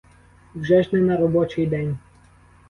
Вже ж не на робочий день.